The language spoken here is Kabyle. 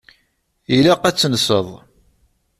Ilaq ad tenseḍ.